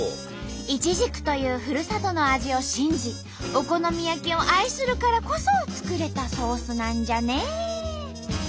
イチジクというふるさとの味を信じお好み焼きを愛するからこそ作れたソースなんじゃね！